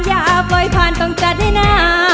อย่าปล่อยผ่านต้องจัดด้วยนะ